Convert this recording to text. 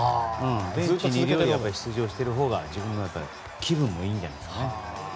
ずっと出場しているほうが自分の中で気分もいいんじゃないですかね。